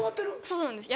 そうなんです